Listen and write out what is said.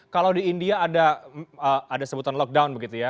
kalau di india ada sebutan lockdown begitu ya